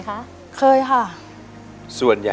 อินโทรเพลงที่๒เลยครับ